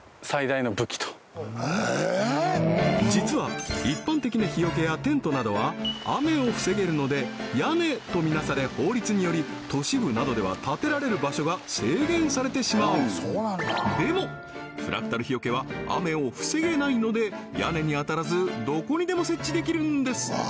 実は一般的な日よけやテントなどは雨を防げるので屋根と見なされ法律により都市部などではたてられる場所が制限されてしまうでもフラクタル日よけは雨を防げないので屋根に当たらずどこにでも設置できるんです